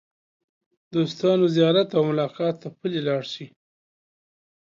د دوستانو زیارت او ملاقات ته پلي لاړ شئ.